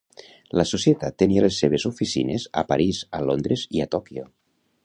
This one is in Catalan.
La Societat tenia les seves oficines a París, a Londres, i a Tòquio.